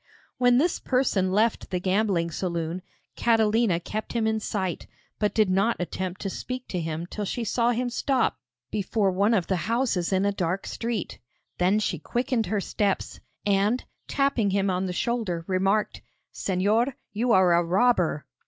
When this person left the gambling saloon, Catalina kept him in sight, but did not attempt to speak to him till she saw him stop before one of the houses in a dark street. Then she quickened her steps, and, tapping him on the shoulder, remarked: 'Señor, you are a robber.'